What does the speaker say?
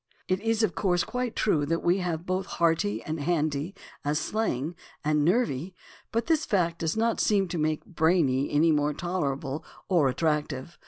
It is, of course, quite true that we have both "hearty" and "handy" and as slang "nervy," but this fact does not seem to make "brainy" any more tolerable or attractive.